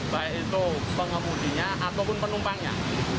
baik itu pengemudinya ataupun penumpangnya